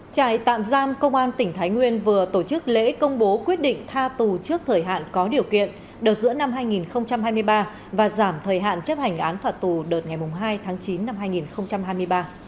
trại tạm giam công an tỉnh thái nguyên vừa tổ chức lễ công bố quyết định tha tù trước thời hạn có điều kiện đợt giữa năm hai nghìn hai mươi ba và giảm thời hạn chấp hành án phạt tù đợt ngày hai tháng chín năm hai nghìn hai mươi ba